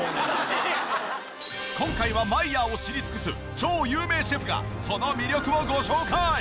今回はマイヤーを知り尽くす超有名シェフがその魅力をご紹介！